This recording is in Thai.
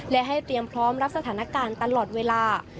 และให้เตรียมพร้อมรับสถานการณ์ตลอดเวลา